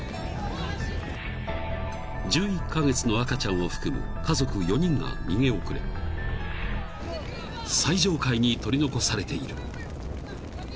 ［１１カ月の赤ちゃんを含む家族４人が逃げ遅れ最上階に取り残されている］